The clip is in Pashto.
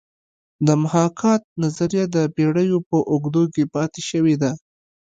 د محاکات نظریه د پیړیو په اوږدو کې پاتې شوې ده